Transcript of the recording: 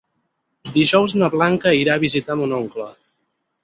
Dijous na Blanca irà a visitar mon oncle.